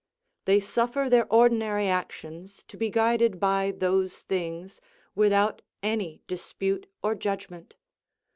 They suffer their ordinary actions to be guided by those things, without any dispute or judgment.